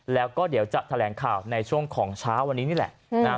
แล้วก็เดี๋ยวจะแถลงข่าวในช่วงของเช้าวันนี้นี่แหละ